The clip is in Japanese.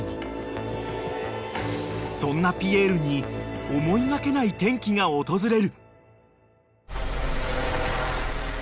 ［そんなピエールに思いがけない転機が訪れる］